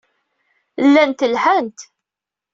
Llant lhant.